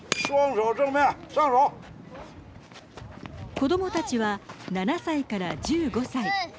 子どもたちは７歳から１５歳。